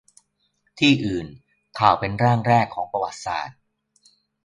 ที่อื่น : ข่าวเป็นร่างแรกของประวัติศาสตร์